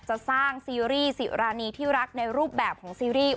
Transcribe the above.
จะสร้างซีรีส์สิรานีที่รักในรูปแบบของซีรีส์